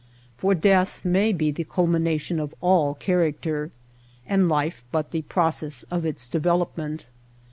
For death may be the culmination of all character ; and life but the process of its development.